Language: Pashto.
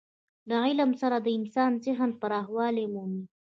له علم سره د انسان ذهن پوخوالی مومي.